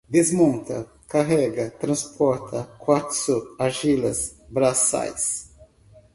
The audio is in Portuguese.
desmonta, carrega, transporta, quartzo, argilas, braçais